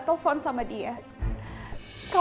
kalau kamu mau ngomong sama dia silahkan ucapin ke aku